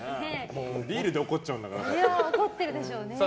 ビールで怒っちゃうんだから。